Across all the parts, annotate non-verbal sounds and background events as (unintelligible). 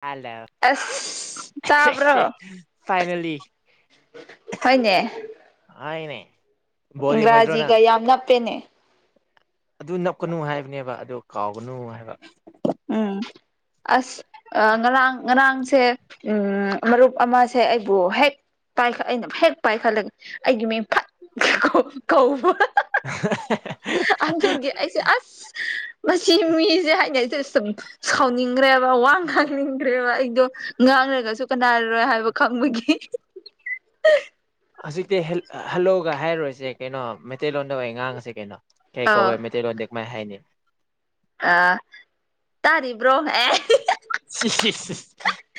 ꯍꯥꯜꯂ‌ꯣ ꯑꯁ ꯇꯥꯕ꯭ꯔꯣ ꯐꯥꯏꯅꯦꯜꯂꯤ ꯍꯣꯏꯅꯦ ꯍꯥꯏꯅꯦ ꯕꯣꯜ ꯌꯦꯡꯉꯣꯏꯗ꯭ꯔꯣ ꯅꯪ ꯏꯪꯒ꯭ꯔꯥꯖꯤꯒ ꯌꯥꯝ ꯅꯞꯄꯦꯅꯦ ꯑꯗꯨ ꯅꯞꯀꯅꯨ ꯍꯥꯏꯕꯅꯦꯕ ꯑꯗꯨ ꯀꯥꯎꯒꯅꯨ ꯍꯥꯏꯕ ꯎꯝ ꯑꯁ ꯉꯔꯥꯡ ꯉꯔꯥꯡꯁꯦ ꯎꯝ ꯃꯔꯨꯞ ꯑꯃꯁꯦ ꯑꯩꯕꯨ ꯍꯦꯛ ꯄꯥꯏꯈꯠ ꯑꯩꯅ ꯍꯦꯛ ꯄꯥꯏꯈꯠꯂꯒ ꯑꯩꯒꯤ ꯃꯤꯡ ꯐꯠ ꯀꯧ ꯀꯧꯕ (unintelligible) ꯑꯗꯨꯒꯤ ꯑꯩꯁꯦ ꯑꯁ ꯃꯁꯤ ꯃꯤꯁꯦ ꯍꯥꯏꯅꯩꯁꯦ ꯁꯨꯝ ꯁꯥꯎꯅꯤꯡꯈ꯭ꯔꯦꯕ ꯋꯥ ꯉꯥꯡꯅꯤꯡꯗ꯭ꯔꯦꯕ ꯑꯩꯗꯣ ꯉꯥꯡꯔꯒꯁꯨ ꯀꯅꯥꯔꯔꯣꯏ ꯍꯥꯏꯕ ꯈꯪꯕꯒꯤ (unintelligible) ꯍꯧꯖꯤꯛꯇꯤ ꯍ‌ꯦꯜ ꯍꯜꯂꯣꯒ ꯍꯥꯏꯔꯔꯣꯏꯁꯦ ꯀꯩꯅꯣ ꯃꯩꯇꯩꯂꯣꯟꯗ ꯑꯣꯏ ꯉꯥꯡꯉꯁꯦ ꯀꯩꯅꯣ ꯀꯩ ꯀꯧꯋꯦ ꯑꯧ ꯃꯩꯇꯩ ꯂꯣꯟꯗ ꯀꯃꯥꯏ ꯍꯥꯏꯅꯤ ꯑꯥ ꯇꯥꯔꯤꯕ꯭ꯔꯣ ꯑꯦ ꯁꯤꯁꯤꯁ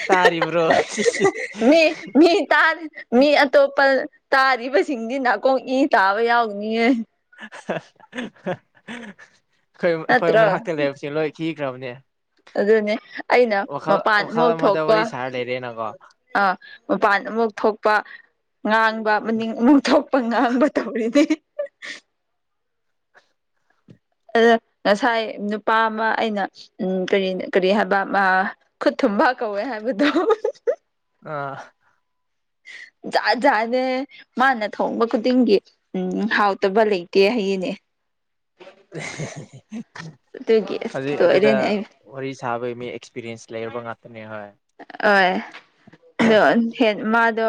ꯇꯥꯔꯤꯕ꯭ꯔꯣ ꯁꯤꯁꯤꯁ ꯃꯤ ꯃꯤ ꯇꯥꯔ ꯃꯤ ꯑꯇꯣꯞꯄ ꯇꯥꯔꯤꯕ ꯁꯤꯡꯗꯤ ꯅꯥꯀꯣꯡ ꯏ ꯇꯥꯕ ꯌꯥꯎꯅꯤꯌꯦ ꯑꯩꯈꯣꯏ ꯑꯩꯈꯣꯏ ꯅꯠꯇ꯭ꯔꯣ ꯃꯅꯥꯛꯇ ꯂꯩꯕꯁꯦ ꯂꯣꯏ ꯈꯤꯈ꯭ꯔꯕꯅꯦ ꯑꯗꯨꯅꯦ ꯑꯩꯅ ꯋꯥꯈꯜ ꯃꯄꯥꯟ ꯋꯥꯈꯜ ꯑꯃꯨꯛ ꯑꯃꯗ ꯊꯣꯛꯄ ꯋꯥꯔꯤ ꯁꯥꯔ ꯂꯩꯔꯦꯅꯀꯣ ꯑꯥ ꯃꯄꯥꯟ ꯑꯃꯨꯛ ꯊꯣꯛꯄ ꯉꯥꯡꯕ ꯃꯅꯤꯡ ꯃꯨꯛ ꯊꯣꯛꯄ ꯉꯥꯡꯕ ꯇꯧꯔꯤꯗꯤ (unintelligible) ꯑꯗꫭ ꯉꯁꯥꯏ ꯅꯨꯄꯥ ꯑꯃ ꯑꯩꯅ ꯎꯝ ꯀꯔꯤ ꯀꯔꯤ ꯍꯥꯏꯕ ꯈꯨꯠ ꯊꯨꯝꯕꯥ ꯀꯧꯋꯦ ꯍꯥꯏꯕꯗꯣ ꯑꯥ ꯖꯥꯠ ꯖꯥꯠꯅꯦ ꯃꯥꯅ ꯊꯣꯡꯕ ꯈꯨꯗꯤꯡꯒꯤ ꯎꯝ ꯍꯥꯎꯇꯕ ꯂꯩꯇꯦ ꯍꯥꯏꯌꯦꯅꯦ ꯑꯗꯨꯒꯤ ꯑꯁ ꯑꯗꯨꯗꯤ ꯑꯗꯨꯗ ꯂꯣꯏꯔꯦꯅꯦ ꯑꯩ ꯋꯥꯔꯤ ꯁꯥꯕꯒꯤ ꯃꯤ ꯑꯦꯛꯁꯄꯤꯔꯤꯌꯦꯟꯁ ꯂꯩꯔꯕ ꯉꯥꯛꯇꯅꯦ ꯍꯣꯏ ꯍꫭꯏ ꯑꯗꯣ ꯃꯥꯗꯣ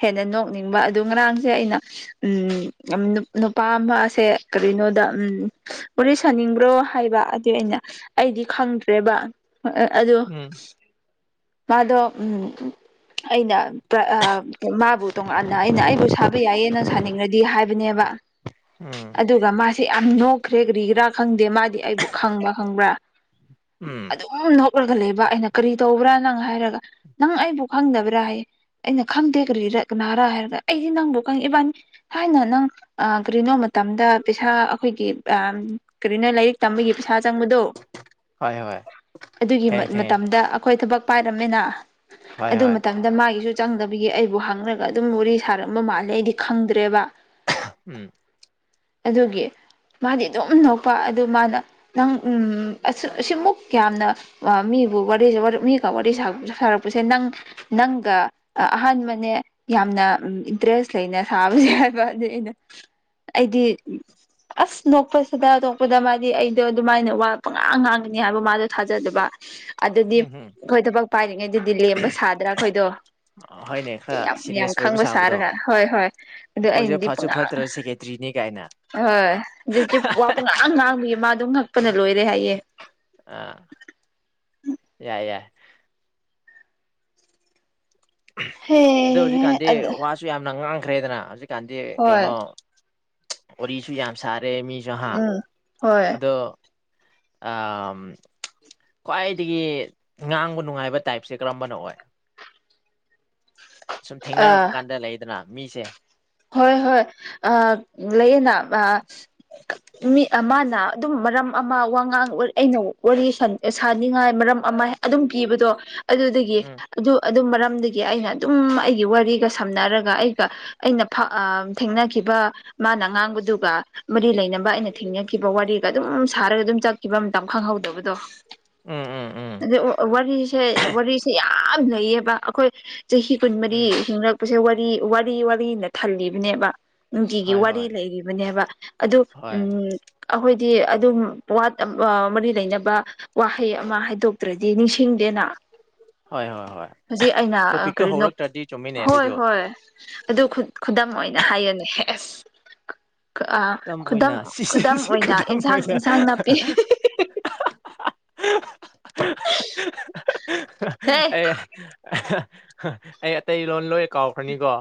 ꯍꯦꯟꯅ ꯅꯣꯛꯅꯤꯡꯕ ꯑꯗꯨꯗ ꯉꯔꯥꯡꯁꯦ ꯑꯩꯅ ꯎꯝ ꯅꯨꯄꯥ ꯑꯃ ꯑꯁꯦ ꯀꯔꯤꯅꯣꯗ ꯎꯝ ꯋꯥꯔꯤ ꯁꯥꯅꯤꯡꯕ꯭ꯔꯣ ꯍꯥꯏꯕ (unintelligible) ꯑꯩꯗꯤ ꯑꯩꯗꯤ ꯈꯪꯗ꯭ꯔꯦꯕ ꯎꯝ ꯃꯥꯗꯣ ꯎꯝ ꯑꯩꯅ ꯀꯥ ꯑꯥ ꯃꯥꯕꯨ ꯇꯣꯉꯥꯟꯅ ꯑꯩꯅ ꯑꯩꯕꯨ ꯁꯥꯕ ꯌꯥꯏꯌꯦꯅ ꯁꯥꯅꯤꯡꯉꯗꯤ ꯍꯥꯏꯕꯅꯦꯕ ꯎꯝ ꯑꯗꯨꯒ ꯃꯥꯁꯦ ꯌꯥꯝ ꯅꯣꯛꯈ꯭ꯔꯦ ꯀ꯭ꯔꯤꯒ꯭ꯔꯥ ꯈꯪꯗꯦ ꯃꯥꯗꯤ ꯑꯩꯕꯨ ꯈꯪꯕ ꯈꯪꯕ꯭ꯔꯥ ꯎꯝ ꯑꯗꯨꯝ ꯅꯣꯛꯂꯒ ꯂꯩꯕ ꯑꯩꯅ ꯀꯔꯤ ꯇꯧꯕ꯭ꯔꯥ ꯅꯪ ꯍꯥꯏꯔꯒ ꯅꯪ ꯑꯩꯕꯨ ꯈꯪꯗꯕ꯭ꯔꯥ ꯍꯥꯏꯌꯦ ꯑꯩꯅ ꯈꯪꯗꯦ ꯀꯔꯤ ꯀꯅꯥꯔꯥ ꯍꯥꯏꯔꯒ ꯑꯩꯗꯤ ꯅꯪꯕꯨ ꯈꯪꯉꯤ ꯏꯕꯥꯅꯤ ꯊꯥꯏꯅ ꯅꯪ ꯑ ꯀꯔꯤꯅꯣ ꯃꯇꯝꯗ ꯄꯩꯁꯥ ꯑꯩꯈꯣꯏꯒꯤ ꯑ ꯀꯔꯤꯅꯣ ꯂꯥꯏꯔꯤꯛ ꯇꯝꯕꯒꯤ ꯄꯩꯁꯥ ꯆꯪꯕꯗꯣ ꯍꯣꯏ ꯍꯣꯏ ꯑꯗꯨꯒꯤ ꯈꯪꯉꯦ ꯈꯪꯉꯦ ꯃꯇꯝꯗ ꯑꯩꯈꯣꯏ ꯊꯕꯛ ꯄꯥꯏꯔꯝꯃꯤꯅ ꯍꯣꯏ ꯑꯗꯨ ꯍꯣꯏ ꯃꯇꯝ ꯑꯗ ꯃꯥꯒꯤꯁꯨ ꯆꯪꯗꯕꯤꯒꯤ ꯑꯩꯕꯨ ꯍꯪꯔꯒ ꯑꯗꯨꯝ ꯋꯥꯔꯤ ꯁꯥꯔꯝꯕ ꯃꯥꯜꯂꯦ ꯑꯩꯗꯤ ꯈꯪꯗ꯭ꯔꯦꯕ ꯎꯝ ꯑꯗꯨꯒꯤ ꯃꯥꯗꯤ ꯑꯗꯨꯝ ꯅꯣꯛꯄ ꯑꯗꯨ ꯃꯥꯅ ꯅꯪ ꯎꯝ ꯑꯁ ꯑꯁꯤꯃꯨꯛ ꯌꯥꯝꯅ ꯃꯤꯕꯨ꯫ (unintelligible) ꯋꯥꯔꯤ ꯁꯥꯔꯛꯄꯁꯦ ꯅꯪ ꯅꯪꯒ ꯑꯍꯥꯟꯕꯅꯦ ꯌꯥꯝꯅ ꯏꯟꯇꯔꯦꯁ ꯂꯩꯅ ꯁꯥꯕꯁꯦ ꯍꯥꯏꯕ ꯑꯩꯅ ꯑꯩꯗꯤ ꯑꯁ ꯅꯣꯛꯄꯁꯤꯗ ꯅꯣꯛꯄꯗ ꯃꯥꯗꯤ ꯑꯩꯗꯣ ꯑꯗꯨꯃꯥꯏꯅ ꯋꯥꯠ ꯄꯪꯉꯥꯡ ꯉꯥꯡꯒꯅꯤ ꯍꯥꯏꯕ ꯃꯥꯗꯣ ꯊꯥꯖꯗꯕ ꯑꯗꯨꯗꯤ ꯎꯝ ꯍꯝ ꯑꯩꯈꯣꯏ ꯊꯕꯛ ꯄꯥꯏꯔꯤꯉꯩꯗꯗꯤ ꯂꯦꯝꯕ ꯁꯥꯗ꯭ꯔꯥ ꯑꯩꯈꯣꯏꯗꯣ ꯍꯣꯏꯅꯦ ꯈꯔ ꯌꯥꯝ ꯌꯥꯝ ꯁꯤꯔꯤꯌꯁ ꯑꯣꯏꯕ ꯈꯪꯕ ꯁꯥꯕꯗꯣ ꯁꯥꯔꯒ ꯍꯣꯏ ꯍꯣꯏ ꯑꯗꯨ ꯑꯩꯈꯣꯏꯁꯦ ꯑꯩꯅꯗꯤ ꯐꯠꯁꯨ ꯄꯪꯉꯥꯡ ꯐꯠꯇ꯭ꯔ ꯁꯦꯀꯦꯇ꯭ꯔꯤꯅꯤ ꯀꯥꯏꯅ ꯍꫭꯏ ꯍꯧꯖꯤꯀꯤ ꯋꯥ ꯄꯪꯉꯥꯡ ꯉꯥꯡꯕꯒꯤ ꯃꯗꫭ ꯉꯛꯄꯅ ꯂꯣꯏꯔꯦ ꯍꯥꯏꯌꯦ ꯑ ꯌꯥꯏ ꯌꯥꯏ ꯑꯗꫭ ꯍꯦ ꯍꯧꯖꯤꯛꯀꯥꯟꯗꯤ ꯑꯗ ꯋꯥ ꯁꯨ ꯌꯥꯝꯅ ꯉꯥꯡꯈ꯭ꯔꯦꯗꯅ ꯍꯧꯖꯤꯛꯀꯥꯟꯗꯤ ꯍꯣꯏ ꯀꯩꯅꯣ ꯋꯥꯔꯤꯁꯨ ꯌꯥꯝ ꯁꯥꯔꯦ ꯃꯤ (unintelligible) ꯎꯝ ꯍꯣꯏ ꯑꯗꯣ ꯑꯝ ꯈ꯭ꯋꯥꯏꯗꯒꯤ ꯉꯥꯡꯕ ꯅꯨꯡꯉꯥꯏꯕ ꯇꯥꯏꯞꯁꯦ ꯀꯔꯝꯕꯅꯣ ꯑꯣꯏ (inaudible) ꯁꯨꯝ ꯊꯦꯡꯅꯔꯛꯄ ꯑꯥ ꯀꯥꯟꯗ ꯂꯩꯗꯅ ꯃꯤꯁꯦ ꯍꯣꯏ ꯍꯣꯏ ꯑ ꯂꯩꯌꯦꯅ ꯑ (inaudible) ꯃꯤ ꯑꯃꯅ ꯑꯗꯨꯝ ꯃꯔꯝ ꯑꯃ ꯋꯥꯉꯥꯡ ꯑꯩꯅ ꯋꯥꯔꯤ ꯁꯥꯅꯤꯡꯉꯥꯏ ꯃꯔꯝ ꯑꯃ ꯑꯗꯨꯝ ꯄꯤꯕꯗꯣ ꯑꯗꯨꯗꯒꯤ ꯎꯝ ꯑꯗꯨ ꯑꯗꯨ ꯃꯔꯝꯗꯒꯤ ꯑꯩꯅ ꯑꯗꯨꯝ ꯑꯩꯒꯤ ꯋꯥꯔꯤꯒ ꯁꯝꯅꯔꯒ ꯑꯩꯒ ꯑꯩꯅ ꯐꯥ ꯑꯝ ꯊꯦꯡꯅꯈꯤꯕ ꯃꯥꯅ ꯉꯥꯡꯕꯗꯨꯒ ꯃꯔꯤ ꯂꯩꯅꯕ ꯑꯩꯅ ꯊꯦꯡꯅꯈꯤꯕ ꯋꯥꯔꯤꯒ ꯑꯗꯨꯝ ꯁꯥꯔꯒ ꯑꯗꯨꯝ ꯆꯠ ꯈꯤꯕꯃꯇꯝ ꯈꯪꯍꯧꯗꯕꯗꯣ ꯎꯝ ꯎꯝ ꯎꯝ ꯑꯗꯩ ꯋꯥꯔꯤꯁꯦ ꯋꯥꯔꯤꯁꯦ ꯌꯥꯝ ꯂꯩꯌꯦꯕ ꯑꯩꯈꯣꯏ ꯆꯍꯤ ꯀꯨꯟ ꯃꯔꯤ ꯎꯝ ꯍꯤꯡꯂꯛꯄꯁꯦ ꯋꯥꯔꯤ ꯋꯥꯔꯤ ꯋꯥꯅ ꯊꯜꯂꯤꯕꯅꯦꯕ ꯅꯨꯡꯇꯤꯒꯤ ꯍꯣꯏ ꯋꯥꯔꯤ ꯍꯣꯏ ꯂꯩꯔꯤꯕꯅꯦꯕ ꯑꯗꯨ ꯍꯣꯏ ꯎꯝ ꯑꯩꯈꯣꯏꯗꯤ ꯑꯗꯨꯝ ꯋꯥꯠ ꯃꯔꯤ ꯂꯩꯅꯕ ꯋꯥꯍꯩ ꯑꯃ ꯍꯥꯏꯗꯣꯛꯇ꯭ꯔꯗꯤ ꯅꯤꯡꯁꯤꯡꯗꯦꯅ ꯍꯣꯏ ꯍꯣꯏ ꯍꯣꯏ ꯍꯧꯖꯤꯛ ꯑꯩꯅ ꯇꯣꯄꯤꯛꯇꯣ ꯀꯔꯤꯅ‌ꯣ ꯍꯧꯔꯛꯇ꯭ꯔꯗꯤ ꯆꯨꯝꯃꯤꯅꯦ ꯍꯣꯏ ꯑꯗꯨꯁꯨ ꯍꯣꯏ ꯑꯗꯨ ꯈꯨꯗꯝ ꯑꯣꯏꯅ ꯍꯥꯏꯒꯅꯦ ꯑꯦꯁ ꯈꯨꯗꯝ ꯑꯣꯏꯅ ꯁꯤꯁꯦ ꯈꯨꯗꯝ ꯁꯤ ꯑꯣꯏꯅ ꯏꯟꯁꯥꯡ ꯏꯟꯁꯥꯡ ꯅꯥꯄꯤ ꯍꯦ ꯑꯦ ꯑꯩ ꯑꯇꯩ ꯂꯣꯟ ꯂꯣꯏ ꯀꯥꯎꯔꯛꯀꯅꯤꯀꯣ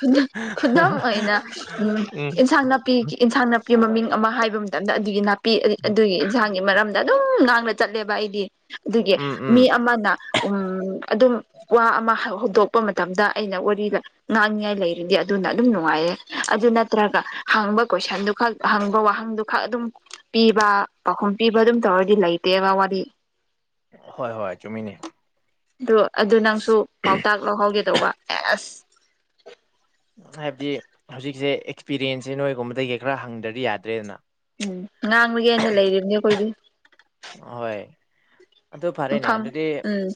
ꯈꯨꯗꯝ ꯈꯨꯗꯝ ꯑꯣꯏꯅ ꯎꯝ ꯏꯟꯁꯥꯡ ꯅꯥꯄꯤꯟꯁꯥꯡ ꯏꯟꯁꯥꯡ ꯅꯥꯄꯤ ꯃꯃꯤꯡ ꯑꯃ ꯍꯥꯏꯕ ꯃꯇꯝꯗ ꯑꯗꯨꯒꯤ ꯅꯥꯄꯤ ꯑꯗꯨꯒꯤ ꯏꯟꯁꯥꯡꯒꯤ ꯃꯔꯝ ꯑꯗꯨꯝ ꯉꯥꯡꯅ ꯆꯠꯂꯦꯕ ꯑꯩꯗꯤ ꯑꯗꯨꯒꯤ ꯎꯝ ꯎꯝ ꯃꯤ ꯑꯃꯅ ꯎꯝ ꯑꯗꯨꯝ ꯋꯥ ꯑꯃ ꯍꯧꯗꯣꯛꯄ ꯃꯇꯝꯗ ꯑꯩꯅ ꯋꯥꯔꯤ ꯉꯥꯡꯅꯤꯉꯥꯏ ꯂꯩꯔꯤꯗꯤ ꯑꯗꯨꯅ ꯑꯗꯨꯝ ꯅꯨꯡꯉꯥꯏꯌꯦ ꯑꯗꯨ ꯅꯠꯇ꯭ꯔꯒ ꯍꯥꯡꯕ ꯀꯣꯏꯁꯟꯗꯨ ꯈꯛ ꯍꯪꯕ ꯋꯥꯍꯪꯗꯨ ꯈꯛ ꯑꯗꯨꯝ ꯄꯤꯕ ꯄꯥꯎꯈꯨꯝ ꯄꯤꯕ ꯑꯗꯨꯝ ꯇꯧꯔꯗꯤ ꯂꯩꯇꯦꯕ ꯋꯥꯔꯤ ꯍꯣꯏ ꯍꯣꯏ ꯆꯨꯝꯃꯤꯅꯤ ꯑ ꯑꯗꯨ ꯅꯪꯁꯨ ꯄꯥꯎꯇꯥꯛ ꯂꯧꯍꯧꯒ ꯗꯧꯕ ꯑꯦꯁ ꯍꯥꯏꯕꯗꯤ ꯍꯧꯖꯤꯛꯁꯦ ꯑꯦꯛꯁꯄꯤꯔꯤꯌꯦꯟꯁꯁꯦ ꯅꯣꯏꯒꯨꯝꯕꯗꯒꯤ ꯈꯔ ꯍꯪꯗꯗꯤ ꯌꯥꯗ꯭ꯔꯦꯗꯅ ꯎꯝ ꯉꯥꯡꯂꯒꯦꯅ ꯂꯩꯔꯤꯕꯅꯤ ꯑꯩꯈꯣꯏꯗꯤ ꯍꯣꯏ ꯑꯗꯨ ꯐꯔꯦꯅꯦ ꯃꯐꯝ ꯑꯗꯨꯗꯤ ꯎꯝ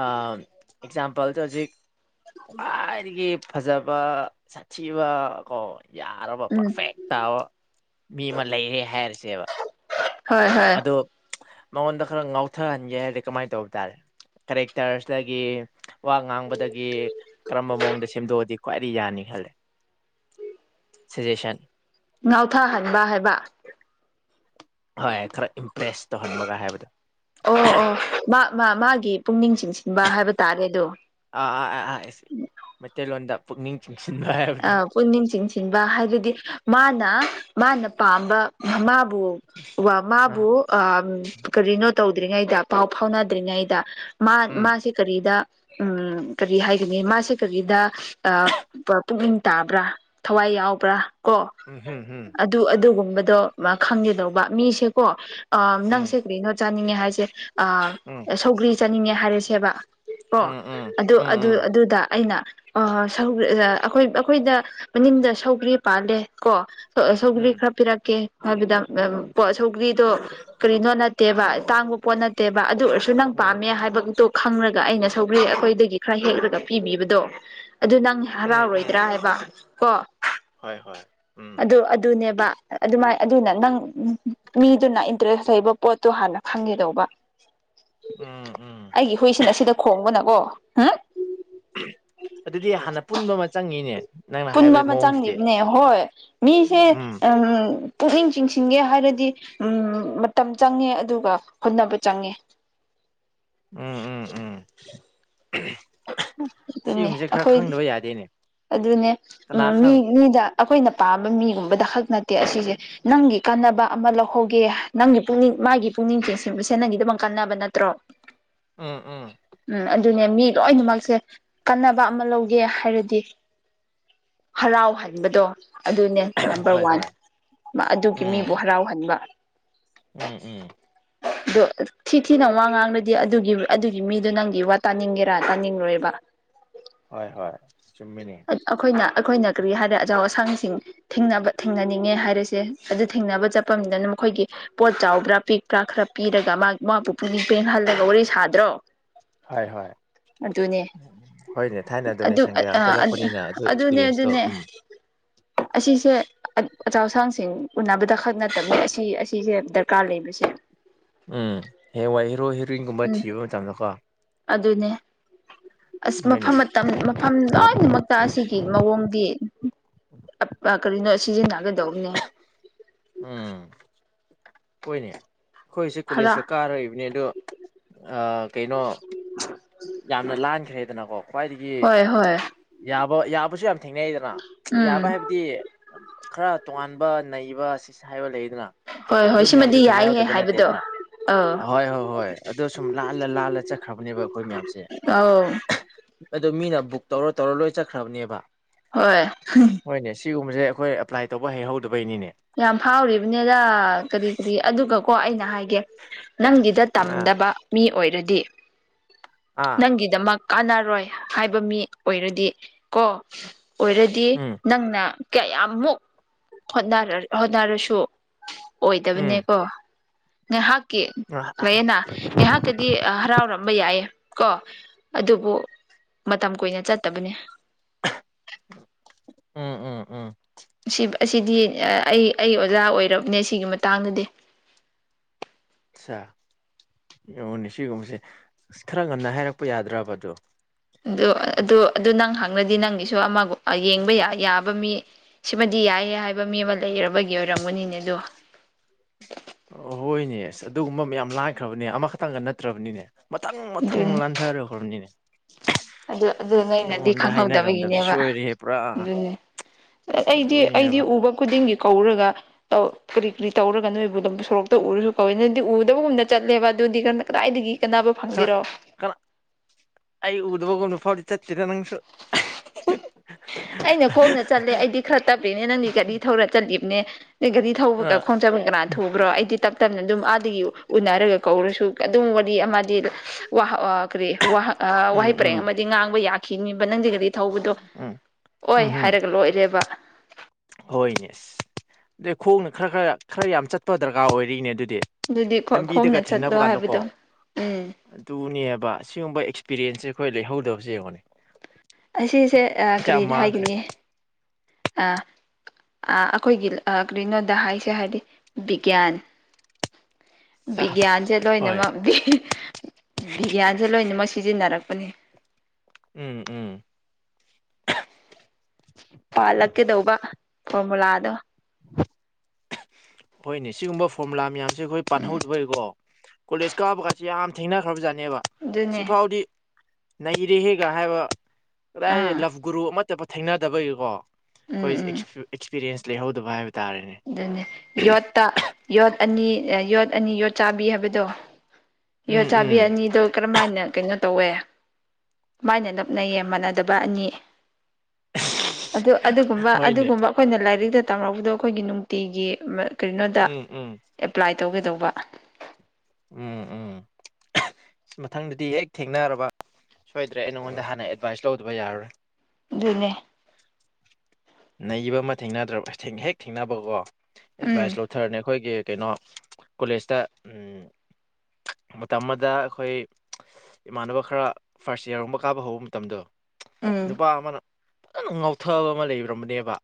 ꯑꯦꯛꯖꯥꯝꯄꯜꯁꯦ ꯍꯧꯖꯤꯛ ꯈ꯭ꯋꯥꯏꯗꯒꯤ ꯐꯖꯕ ꯁꯥꯊꯤꯕ ꯀꯣ ꯌꯥꯔꯕ ꯎꯝ ꯄꯔꯐꯦꯛ ꯇꯥꯕ ꯃꯤ ꯑꯃ ꯂꯩꯔꯦ ꯍꯥꯏꯔꯁꯦꯕ ꯍꯣꯏ ꯍꯣꯏ ꯑꯗꯣ ꯃꯉꯣꯟꯗ ꯈꯔ ꯉꯥꯎꯊꯍꯟꯒꯦ ꯍꯥꯏꯔꯗꯤ ꯀꯃꯥꯏꯅ ꯇꯧꯕ ꯇꯥꯔꯦ ꯀꯔꯦꯛꯇꯔꯁꯗꯒꯤ ꯋꯥ ꯉꯥꯡꯕꯗꯒꯤ ꯀꯔꯝꯕ ꯃꯑꯣꯡꯗ ꯁꯦꯝꯗꯣꯛꯑꯗꯤ ꯈ꯭ꯋꯥꯏꯗꯒꯤ ꯌꯥꯅꯤ ꯈꯜꯂꯤꯁꯖꯦꯁꯟ ꯉꯥꯎꯊꯥꯍꯟꯕ ꯍꯥꯏꯕ ꯍꯣꯏ ꯈꯔ ꯏꯝꯄ꯭ꯔꯦꯁ ꯇꯧꯍꯟꯕꯒ ꯍꯥꯏꯕꯗꯣ ꯑꯣ ꯑꯣ ꯃꯥ ꯃꯥ ꯃꯥꯒꯤ ꯄꯨꯛꯅꯤꯡ ꯆꯤꯡꯁꯤꯟꯕ ꯍꯥꯏꯕ ꯇꯥꯔꯦ ꯑꯗꯨ ꯑꯥꯥꯥ ꯑꯥ ꯃꯩꯇꯩ ꯂꯣꯟꯗ ꯄꯨꯛꯅꯤꯡ ꯆꯤꯡꯁꯤꯟꯕ ꯍꯥꯏꯕꯗꯣ ꯄꯨꯛꯅꯤꯡ ꯆꯤꯡꯁꯤꯟꯕ ꯍꯥꯏꯕꯗꯤ ꯃꯥꯅ ꯃꯥꯅ ꯄꯥꯝꯕ ꯃꯕꯨ ꯋꯥ ꯑꯥ ꯃꯥꯕꯨ ꯑ ꯀꯔꯤꯅꯣ ꯇꯧꯗ꯭ꯔꯤꯉꯩꯗ ꯄꯥꯎ ꯐꯥꯎꯅꯗ꯭ꯔꯤꯉꯩꯗ ꯃꯥ ꯎꯝ ꯃꯥꯁꯤ ꯀꯔꯤꯗ ꯎꯝ ꯀꯔꯤ ꯍꯥꯏꯒꯅꯤ ꯃꯥꯁꯦ ꯀꯔꯤꯗ ꯑ ꯄꯨꯛꯅꯤꯡ ꯇꯥꯕ꯭ꯔꯥ ꯊꯋꯥꯏ ꯌꯥꯎꯕ꯭ꯔꯥ ꯀꯣ ꯎꯝ ꯍꯝ ꯍꯝ ꯑꯗꯨ ꯑꯗꯨꯒꯨꯝꯕꯗꯣ ꯃꯥ ꯈꯪꯒꯗꯧꯕ ꯃꯤꯁꯦꯀꯣ ꯎꯝ ꯅꯪꯁꯦ ꯀꯩꯅꯣ ꯆꯥꯅꯤꯡꯉꯦ ꯍꯥꯏꯁꯦ ꯑ ꯎꯝ ꯁꯧꯒ꯭ꯔꯤ ꯆꯥꯅꯤꯡꯉꯦ ꯍꯥꯏꯔꯁꯦꯕ ꯑꯣ ꯎꯝ ꯑꯗꯨ ꯎꯝ ꯑꯗꯨ ꯎꯝ ꯑꯗꯨꯗ ꯑꯩꯅ ꯑꯩꯈꯣꯏ ꯑꯩꯈꯣꯏꯗ ꯃꯅꯤꯡꯗ ꯁꯧꯒ꯭ꯔꯤ ꯄꯥꯜꯂꯦ ꯀꯣ ꯁꯧꯒ꯭ꯔꯤ ꯎꯝ ꯈꯔ ꯄꯤꯔꯛꯀꯦ ꯍꯥꯏꯕꯗ ꯄꯣꯠ ꯁꯧꯒ꯭ꯔꯤꯗꯣ ꯀꯔꯤꯅꯣ ꯅꯠꯇꯦꯕ ꯇꯥꯡꯕ ꯄꯣꯠ ꯅꯠꯇꯦꯕ ꯑꯗꯨ ꯑꯣꯏꯁꯨ ꯅꯪ ꯄꯥꯝꯃꯦ ꯍꯥꯏꯕꯗꯨꯇꯣ ꯈꯪꯔꯒ ꯑꯩꯅ ꯁꯧꯒ꯭ꯔꯤ ꯑꯩꯈꯣꯏꯗꯒꯤ ꯈꯔ ꯍꯦꯛꯂꯒ ꯄꯤꯕꯤꯕꯗꯣ ꯑꯗꯨ ꯅꯪ ꯎꯝ ꯎꯝ ꯍꯔꯥꯎꯔꯣꯏꯗ꯭ꯔꯥ ꯍꯥꯏꯕ ꯀꯣ ꯍꯣꯏ ꯍꯣꯏ ꯎꯝ ꯑꯗꯨ ꯑꯗꯨꯅꯦꯕ ꯑꯗꯨꯃꯥꯏ ꯑꯗꯨꯅ ꯅꯪ ꯃꯤꯗꯨꯅ ꯏꯟꯇꯔꯦꯁ ꯂꯩꯕ ꯄꯣꯠꯇꯣ ꯍꯥꯟꯅ ꯈꯪꯒꯗꯧꯕ ꯎꯝ ꯎꯝ ꯑꯩꯒꯤ ꯍꯨꯏꯁꯤꯅ ꯁꯤꯗ ꯈꯣꯡꯕꯅꯀꯣ ꯑꯗꯨꯗꯤ ꯍꯥꯟꯅ ꯄꯨꯟꯕ ꯑꯃ ꯆꯪꯉꯤꯅꯦ ꯅꯪꯅ ꯄꯨꯟꯕ ꯍꯥꯏꯕ ꯑꯃ ꯃꯑꯣꯡꯁꯤꯗꯤ ꯆꯪꯉꯕꯅꯦ ꯍꯣꯏ ꯃꯤꯁꯦ ꯎꯝ ꯄꯨꯛꯅꯤꯡ ꯆꯤꯡꯁꯤꯟꯒꯦ ꯍꯥꯏꯔꯗꯤ ꯃꯇꯝ ꯆꯪꯉꯦ ꯑꯗꯨꯒꯥ ꯍꯣꯠꯅꯕ ꯆꯪꯉꯦ ꯎꯝ ꯎꯝ ꯎꯝ ꯑꯗꯨꯅꯦ ꯁꯤꯒꯨꯝꯕ ꯁꯦ ꯈꯔ ꯑꯩꯈꯣꯏꯗꯤ ꯈꯪꯗꯕ ꯌꯥꯗꯦꯅꯦ ꯑꯗꯨꯅꯦ ꯀꯅꯥ ꯎꯝ ꯃꯤ ꯈꯪ ꯃꯤꯗ ꯑꯩꯈꯣꯏꯅ ꯄꯥꯝꯕ ꯃꯤ ꯒꯨꯝꯕꯗ ꯈꯛ ꯅꯠꯇꯦ ꯑꯁꯤꯁꯦ ꯅꯪꯒꯤ ꯀꯥꯟꯅꯕ ꯑꯃ ꯂꯧꯍꯧꯒꯦ ꯅꯪꯒꯤ ꯃꯒꯤ ꯄꯨꯛꯅꯤꯡ ꯃꯥꯒꯤ ꯄꯨꯛꯅꯤꯡ ꯆꯤꯡꯁꯤꯟꯕꯁꯦꯅꯒꯤꯗꯃꯛ ꯀꯥꯟꯅꯕ ꯅꯠꯇ ꯎꯝ ꯎꯝ ꯎꯝ ꯑꯗꯨꯅꯦ ꯃꯤ ꯂꯣꯏꯅꯃꯛꯁꯦ ꯀꯟꯅꯕ ꯑꯃ ꯂꯧꯒꯦ ꯍꯥꯏꯔꯗꯤ ꯍꯔꯥꯎꯍꯟꯕꯗꯣ ꯑꯗꯨꯅꯦ ꯅꯝꯕꯔ ꯍꯣꯏ ꯋꯥꯟ ꯍꯣꯏ ꯑꯗꯨꯒꯤ ꯃꯤꯕꯨ ꯎꯝ ꯍꯔꯥꯎ ꯍꯟꯕ ꯎꯝ ꯎꯝ ꯑꯗꯣ ꯊꯤ ꯊꯤꯅ ꯋꯥ ꯉꯥꯡꯕꯗꯤ ꯑꯗꯨꯒꯤ ꯑꯗꯨꯒꯤ ꯃꯤꯗꯣ ꯅꯪꯒꯤ ꯋꯥ ꯇꯥꯅꯤꯡꯒꯦꯔꯥ ꯇꯥꯅꯤꯡ ꯔꯣꯏꯕ ꯍꯣꯏ ꯍꯣꯏ ꯆꯨꯝꯃꯤꯅꯦ ꯑꯩꯈꯣꯏꯅ ꯑꯩꯈꯣꯏꯅ ꯀꯔꯤ ꯍꯥꯏꯔꯗꯤ ꯑꯆꯥꯎ ꯑꯁꯥꯡ ꯁꯤꯡ ꯊꯦꯡꯅꯕ ꯊꯦꯡꯅ ꯅꯤꯡꯉꯦ ꯍꯥꯏꯔꯤꯁꯦ ꯑꯗꯨ ꯊꯦꯡꯅꯕ ꯆꯠꯄꯅꯤꯗꯅ ꯃꯈꯣꯏꯒꯤ ꯄꯣꯠ ꯆꯥꯎꯕ꯭ꯔꯥ ꯄꯤꯛꯄ꯭ꯔꯥ ꯈꯔ ꯄꯤꯔꯒ ꯃꯥ ꯃꯥꯕꯨ ꯄꯨꯅꯤꯡ ꯄꯦꯟꯍꯜ ꯂꯒ ꯋꯥꯔꯤ ꯁꯥꯗ꯭ꯔꯣ ꯍꯣꯏ ꯍꯣꯏ ꯑꯗꯨꯅꯦ ꯍꯣꯏꯅꯦ ꯊꯥꯏꯅ ꯗꯨꯅꯦ ꯑꯗꯨ ꯑ ꯁꯪꯒꯦ ꯌꯥꯝ ꯆꯠꯂꯛ ꯑ ꯄꯅꯤꯅ ꯑꯗꯨ ꯑꯗꯨꯅꯦ ꯑꯦꯛꯁꯄꯤꯔꯤꯌꯦꯟꯁꯇꯣ ꯑꯗꯨꯅꯦ ꯎꯝ ꯑꯁꯤꯁꯦ ꯑꯆꯧ ꯑꯁꯥꯡ ꯁꯤꯡ ꯎꯅꯕꯗ ꯈꯛ ꯅꯠꯇꯕꯅꯤ ꯑꯁꯤ ꯑꯁꯤꯁꯦ ꯗꯔꯀꯥꯔ ꯂꯩꯕꯁꯦ ꯎꯝ ꯍꯩꯌꯦꯟꯋꯥꯏ ꯍꯦꯔꯣ ꯍꯦꯔꯣꯏꯟ ꯒꯨꯝꯕ ꯎꯝ ꯊꯤꯕ ꯃꯇꯝꯗ ꯀꯣ ꯑꯗꯨꯅꯦ ꯑꯁ ꯍꯣꯏꯅꯦ ꯃꯐꯝ ꯃꯥ ꯃꯐꯝ ꯂꯣꯏꯅꯃꯛꯇ ꯑꯁꯤꯒꯤ ꯃꯑꯣꯡꯗꯤ ꯀꯔꯤꯅꯣ ꯁꯤꯖꯤꯟ ꯅꯒꯗꯧꯕꯅꯦ ꯎꯝ ꯍꯣꯏꯅꯦ ꯑꯩꯈꯣꯏꯁꯦ ꯀꯣꯂꯦꯖꯀ ꯍꯔ ꯀꯥꯔꯛꯏꯕꯅꯦ ꯑꯗꯣ ꯀꯩꯅꯣ ꯌꯥꯝꯅ ꯂꯥꯟꯈ꯭ꯔꯦꯗꯅꯥ ꯀꯣ ꯈ꯭ꯋꯥꯏꯗꯒꯤ ꯍꯣꯏ ꯍꯣꯏ ꯌꯥꯕ ꯌꯥꯕꯁꯨ ꯌꯥꯝ ꯊꯦꯡꯅꯩꯗꯅ ꯌꯥꯕ ꯎꯝ ꯍꯥꯏ ꯕꯗꯤ ꯈꯔ ꯇꯣꯉꯥꯟ ꯅꯩꯕ ꯁꯤ ꯍꯥꯏꯕ ꯂꯩꯗꯅ ꯍꯣꯏ ꯑꯗꯨ ꯍꯣꯏ ꯃꯌꯥꯝꯁꯨ ꯁꯤꯃꯗꯤ ꯌꯥꯏꯍꯦ ꯊꯦꯡꯅꯔꯗꯕ ꯅꯠꯇꯦ ꯍꯥꯏꯕꯗꯣ ꯗꯅꯥ ꯑꯧ ꯑ ꯍꯣꯏ ꯍꯣꯏ ꯍꯣꯏ ꯑꯗꯣ ꯁꯨꯝ ꯂꯥꯜꯂ ꯂꯥꯜꯂ ꯆꯠꯈ꯭ꯔ ꯕꯅꯦꯕ ꯑꯩꯈꯣꯏ ꯃꯌꯥꯝꯁꯦ ꯑꯧ ꯑꯗꯨ ꯃꯤꯅ ꯕꯨꯛ ꯇꯧꯔ ꯇꯧꯔ ꯂꯣꯏ ꯆꯠꯈ꯭ꯔ ꯕꯅꯦꯕ ꯍꯣꯏ (unintelligible) ꯍꯣꯏꯅꯦ ꯁꯤꯒꯨꯝꯕꯁꯦ ꯑꯈꯣꯏ ꯑꯦꯄ꯭ꯂꯥꯏ ꯇꯧꯕ ꯍꯩꯍꯧꯗꯕꯩꯅꯤꯅꯦ ꯌꯥꯝ ꯐꯥꯎꯔꯤ ꯕꯅꯤꯗ ꯀꯔꯤ ꯀꯔꯤ ꯑꯗꯨꯒꯀꯣ ꯑꯩꯅ ꯍꯥꯏꯒꯦ ꯅꯪꯒꯤꯗ ꯑꯥ ꯇꯝꯗꯕ ꯃꯤ ꯑꯣꯏ ꯔꯗꯤ ꯑꯥ ꯅꯪꯒꯤ ꯗꯃꯛ ꯀꯥꯟꯅꯔꯣꯏ ꯍꯥꯏꯕ ꯃꯤ ꯑꯣꯏꯔꯗꯤ ꯀꯣ ꯑꯣꯏꯔꯗꯤ ꯎꯝ ꯅꯪꯅꯥ ꯀꯌꯥꯃꯨꯛ ꯍꯣꯠꯅ ꯔꯁꯨ ꯑꯣꯏꯗꯕꯅꯦ ꯎꯝ ꯀꯣ ꯉꯥꯏꯍꯥꯛꯀꯤ ꯑꯥ ꯂꯌꯦꯅ ꯉꯥꯏꯍꯥꯛ ꯇꯗꯤ ꯍꯔꯥꯎꯔꯝꯕ ꯌꯥꯏꯌꯦ ꯀꯣ ꯑꯗꯨꯕꯨ ꯃꯇꯝ ꯀꯨꯏꯅ ꯆꯠꯇ ꯕꯅꯦ (unintelligible) ꯎꯝ ꯎꯝ ꯎꯝ ꯑꯁꯤꯗꯤ ꯑꯩ ꯑꯩ ꯑꯣꯖꯥ ꯑꯣꯏꯔꯕꯅꯦ ꯁꯤꯒꯤ ꯃꯇꯥꯡ ꯗꯗꯤ ꯑꯆꯥ ꯌꯦꯡꯅꯦ ꯁꯤꯒꯨꯝꯕꯁꯦ ꯑꯁ ꯈꯔ ꯉꯟꯅ ꯍꯥꯏꯔꯛꯄ ꯌꯥꯗꯔꯥꯕ ꯑꯗꯨ ꯑꯗꯨ ꯑꯗꯨ ꯑꯗꯨ ꯅꯪ ꯍꯪꯔꯗꯤ ꯅꯪꯒꯤꯁꯨ ꯑꯃꯒ ꯌꯦꯡꯕ ꯌꯥꯕ ꯃꯤ ꯁꯤꯃꯗꯤ ꯌꯥꯏꯌꯦ ꯍꯥꯏꯕ ꯃꯤ ꯑꯃ ꯂꯩꯔꯕꯒꯤ ꯑꯣꯏꯔꯝ ꯒꯅꯤꯅꯦ ꯑꯗꯣ ꯍꯣꯏꯅꯦ ꯑꯁ ꯑꯗꯨꯒꯨꯝꯕ ꯃꯌꯥꯝ ꯂꯥꯟ ꯈ꯭ꯔꯕꯅꯦ ꯑꯃꯈꯛꯇꯪꯒ ꯅꯠꯇ꯭ꯔꯕꯅꯤꯅꯦ ꯃꯊꯪ ꯃꯊꯪ ꯑꯗꯨꯅꯤ ꯂꯥꯟꯊꯔ ꯍꯣꯔꯝꯅꯤꯅꯦ ꯑꯗꯨ ꯑꯗꯨ ꯅꯩꯅꯗꯤ ꯈꯪꯍꯧꯗꯕ ꯍꯥꯏꯅꯔꯝꯗꯕꯁꯨ ꯒꯤꯅꯦꯕ ꯁꯣꯏꯔꯦꯍꯦ ꯄꯨꯔꯥ ꯑꯗꯨꯅꯤ ꯑꯩꯗꯤ ꯑꯩꯗꯤ ꯑꯗꯨꯅꯦꯕ ꯎꯕ ꯈꯨꯗꯤꯡꯒꯤ ꯀꯧꯔꯒ ꯇꯧ ꯀꯔꯤ ꯀꯔꯤ ꯇꯧꯔꯒ ꯅꯣꯏꯕꯨ ꯑꯗꯨ ꯁꯣꯔꯣꯛꯇ ꯎꯔꯨꯁꯨ ꯀꯧꯋꯦ ꯅꯣꯏꯗꯤ ꯎꯗꯕ ꯒꯨꯝꯅ ꯆꯠꯂꯦꯕ ꯑꯗꯨꯗꯤ ꯀꯗꯥꯏꯗꯒꯤ ꯀꯅꯥꯕ ꯈꯔ ꯐꯪꯒꯤꯔꯣ ꯀꯅꯥ ꯑꯩ ꯎꯗꯕ ꯒꯨꯝꯕ ꯐꯥꯎꯗꯤ ꯆꯠꯇꯦꯗ ꯅꯪꯁꯨ ꯎ ꯑꯩꯅ ꯈꯣꯡꯅ ꯆꯠꯂꯦ ꯑꯩꯗꯤ ꯈꯔ ꯇꯞꯔꯤꯅꯦ ꯅꯪꯗꯤ ꯒꯥꯔꯤ ꯊꯧꯔ ꯆꯠꯂꯤꯕꯅꯦ ꯅ ꯒꯥꯔꯤ ꯊꯧꯕꯒ ꯑꯥ ꯈꯣꯡꯖꯕ ꯀꯅꯥ ꯊꯨꯕ꯭ꯔꯣ ꯑꯩꯗꯤ ꯇꯞ ꯇꯞꯅ ꯑꯗꯨꯝ ꯑꯥꯗꯒꯤ ꯎꯅꯔꯒ ꯀꯧꯔꯁꯨ ꯑꯗꯨꯝ ꯋꯥꯔꯤ ꯑꯃꯗꯤ ꯋꯥꯍ ꯀꯔꯤ ꯋꯥꯍ ꯎꯝ ꯋꯥꯍꯩ ꯄꯔꯦꯡ ꯎꯝ ꯑꯃꯗꯤ ꯉꯥꯡꯕ ꯌꯥꯈꯤꯅꯤꯕ ꯅꯪꯗꯤ ꯀꯔꯤ ꯊꯧꯕꯗꯣ ꯎꯝ ꯑꯣꯏ ꯍꯥꯏꯔꯒ ꯂꯣꯏꯔꯦꯕ ꯍꯣꯏꯅꯦꯁ ꯑꯗꯩ ꯈꯣꯡꯅ ꯈꯔ ꯈꯔ ꯈꯔ ꯌꯥꯝ ꯆꯠꯄ ꯗꯔꯀꯥꯔ ꯑꯣꯏꯔꯤꯅꯦ ꯑꯗꯨꯗꯤ ꯑꯗꯨꯗꯤ ꯂꯝꯕꯤꯗꯒ ꯈꯣꯡꯅ ꯆꯠꯂꯣ ꯊꯦꯡꯅꯕ ꯀꯥꯟꯗꯀꯣ ꯍꯥꯏꯕꯗꯣ ꯎꯝ ꯑꯗꯨꯅꯦꯕ ꯁꯤꯒꯨꯝꯕ ꯑꯦꯛꯁꯄꯤꯔꯌꯦꯦꯟꯁꯁꯦ ꯑꯩꯈꯣꯏ ꯂꯩꯍꯧꯗꯕꯦ ꯌꯦꯡꯉꯣꯅꯦ ꯑꯁꯤꯁꯦ ꯀꯌꯥꯝ ꯀꯔꯤꯗ ꯃꯥꯡꯈ꯭ꯔꯦ ꯍꯥꯏꯒꯅꯤ ꯑ ꯑꯩꯈꯣꯏꯒꯤ ꯀꯔꯤꯅꯣꯗ ꯍꯥꯏꯁꯦ ꯍꯥꯏꯔꯗꯤ ꯕꯤꯒ꯭ꯌꯥꯟ ꯁꯥꯁ ꯕꯤꯒ꯭ꯌꯥꯟꯁꯦ ꯍꯣꯏ ꯂꯣꯏꯅꯃꯛ ꯕꯤꯒ꯭ꯌꯥꯟꯁꯦ ꯂꯣꯏꯅꯃꯛ ꯁꯤꯖꯤꯟꯅꯔꯛꯄꯅꯦ ꯎꯝ ꯎꯝ ꯄꯥꯜꯂꯛꯀꯦꯗꯧꯕ ꯐꯣꯔꯃꯨꯂꯥꯗꯣ ꯎ ꯍꯣꯏꯅꯦ ꯁꯤꯒꯨꯝꯕ ꯐꯣꯔꯃꯨꯂꯥ ꯃꯌꯥꯝꯁꯦ ꯑꯩꯈꯣꯏ ꯎꯝ ꯄꯥꯟꯍꯧꯗꯕꯒꯤꯀꯣ ꯀꯣꯂꯦꯖ ꯀꯥꯕꯒꯁꯤꯦ ꯌꯥꯝ ꯊꯦꯡꯅꯈ꯭ꯔꯕꯖꯥꯠꯅꯦꯕ ꯑꯗꯨꯅꯦ ꯁꯤꯐꯥꯎꯗꯤ ꯅꯩꯔꯦꯍꯦꯒ ꯍꯥꯏꯕ ꯀꯗꯥꯏ ꯑꯥ ꯂ ꯒꯨꯔꯨ ꯑꯃꯠꯇ ꯊꯦꯡꯅꯗꯕꯒꯤꯀꯣ ꯎꯝ ꯎꯝ ꯑꯩꯈꯣꯏꯁꯦ ꯑꯦꯛꯁꯄꯤꯔꯟꯁ ꯂꯩꯍꯧꯗꯕ ꯍꯥꯏꯕ ꯇꯥꯔꯦꯅꯦ ꯑꯗꯨꯅꯤ ꯌꯣꯠꯇ ꯌꯣꯠ ꯑꯅꯤ ꯌꯣꯠ ꯑꯅꯤ ꯌꯣꯠ ꯆꯥꯕꯤ ꯍꯥꯏꯕꯗꯣ ꯌꯣ ꯎꯝ ꯆꯥꯕꯤ ꯎꯝ ꯑꯅꯤꯗꯣ ꯀꯔꯝꯃꯥꯏꯅ ꯀꯩꯅꯣ ꯇꯧꯋꯦ ꯃꯥꯏꯅ ꯅꯞꯅꯩꯌꯦ ꯃꯥꯟꯅꯗꯕ ꯑꯅꯤ ꯑꯗꯨ ꯑꯗꯨꯒꯨꯝꯕ ꯍꯣꯏꯅꯦ ꯑꯗꯨꯒꯨꯝꯕ ꯑꯩꯈꯣꯏꯅ ꯂꯥꯏꯔꯤꯛꯇ ꯇꯝꯔꯛꯄꯗꯣ ꯑꯩꯈꯣꯏꯒꯤ ꯅꯨꯡꯇꯤꯒꯤ ꯀꯔꯤꯅꯣꯗ ꯎꯝ ꯎꯝ ꯑꯦꯄ꯭ꯂꯥꯏ ꯇꯧꯒꯦꯗꯧꯕ ꯎꯝ ꯎꯝ ꯃꯊꯪꯗꯗꯤ ꯍꯦꯛ ꯊꯦꯡꯅꯔꯕ ꯁꯣꯏꯗ꯭ꯔꯦ ꯑꯩ ꯅꯉꯣꯟꯗ ꯍꯥꯟꯅ ꯑꯦꯗꯚꯥꯏꯁ ꯂꯧꯗꯕ ꯌꯥꯔꯔꯣꯏ ꯑꯗꯨꯅꯦ ꯅꯩꯕ ꯑꯃ ꯊꯦꯡꯅꯗ꯭ꯔꯕ ꯑꯁ ꯍꯦꯛ ꯊꯦꯡꯅꯕꯀꯣ ꯑꯦꯗꯚꯥꯏꯁ ꯎꯝ ꯂꯧꯊꯔꯅꯤ ꯑꯩꯈꯣꯏꯒꯤ ꯀꯩꯅꯣ ꯀꯣꯂꯦꯖꯇ ꯎꯝ ꯃꯇꯝ ꯑꯃꯗ ꯑꯈꯨꯏ ꯏꯃꯥꯟꯅꯕ ꯈꯔ ꯐꯥꯔꯁ ꯌꯥꯔꯨꯝꯕ ꯀꯥꯕ ꯍꯧꯕ ꯃꯇꯝꯗꯣ ꯎꯝ ꯅꯨꯄꯥ ꯑꯃꯅ ꯐꯖꯅ ꯉꯥꯎꯊꯕ ꯑꯃ ꯂꯩꯕ꯭ꯔꯕꯅꯦꯕ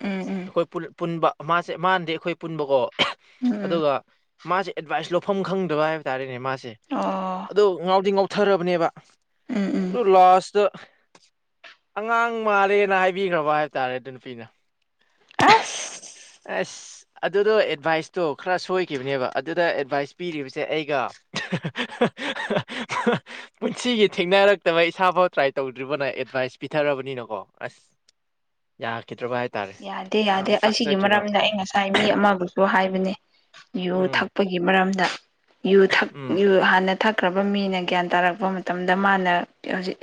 ꯎꯝ ꯎꯝ ꯑꯩꯈꯣꯏ ꯄꯨꯜ ꯄꯨꯟꯕ ꯃꯥꯁꯦ ꯃꯥꯟꯗꯤ ꯑꯩꯈꯣꯏ ꯄꯨꯟꯕꯀꯣ ꯎꯝ ꯎꯝ ꯑꯗꯨꯒ ꯃꯥꯁꯦ ꯑꯦꯗꯚꯥꯏꯁ ꯂꯧꯐꯝ ꯈꯪꯗꯕ ꯍꯥꯏꯕ ꯇꯥꯔꯦꯅꯦ ꯃꯥꯁꯦ ꯑꯣ ꯑꯗꯣ ꯉꯥꯎꯗꯤ ꯉꯥꯎꯊꯔꯕꯅꯦꯕ ꯎꯝ ꯎꯝ ꯑꯗꯨ ꯂꯥꯁꯇ ꯑꯉꯥꯡ ꯃꯥꯜꯂꯦꯅ ꯍꯥꯏꯕꯤꯈ꯭ꯔꯕ ꯍꯥꯏ ꯇꯥꯔꯦ ꯑꯗꯨꯅ ꯄꯤꯅ ꯑꯐ ꯑ ꯑꯗꯨꯗꯣ ꯑꯦꯗꯚꯥꯏꯁꯇꯣ ꯈꯔ ꯁꯣꯏꯈꯤꯕꯅꯦꯕ ꯑꯗꯨꯗ ꯑꯦꯗꯚꯥꯏꯁ ꯄꯤꯔꯤꯕꯁꯦ ꯑꯩꯒ ꯄꯨꯟꯁꯤꯒꯤ ꯊꯦꯡꯅꯔꯛꯇꯕ ꯏꯁꯥꯐꯥꯎ ꯇ꯭ꯔꯥꯏ ꯇꯧꯗ꯭ꯔꯤꯕꯅ ꯑꯦꯗꯚꯥꯏꯁ ꯄꯤꯊꯔꯕꯅꯤꯅꯀꯣ ꯑꯁ ꯌꯥꯈꯤꯗ꯭ꯔꯕ ꯍꯥꯏ ꯌꯥꯗꯦ ꯌꯥꯗꯦ ꯑꯁꯤꯒꯤ ꯃꯔꯝꯅ ꯑꯩ ꯉꯁꯥꯏ ꯃꯤ ꯑꯃꯕꯨꯁꯨ ꯍꯥꯏꯕꯅꯦ ꯨ ꯎꯝ ꯊꯛꯄꯒꯤ ꯃꯔꯝꯗ ꯎꯝ ꯨꯨ ꯍꯥꯟꯅ ꯊꯛꯈ꯭ꯔꯕ ꯃꯤꯅ ꯒ꯭ꯌꯥꯟ ꯇꯥꯔꯛꯄ ꯃꯇꯝꯗ ꯃꯥꯅꯖꯤꯛ